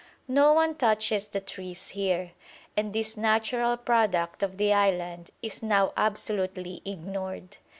No one touches the trees here, and this natural product of the island is now absolutely ignored.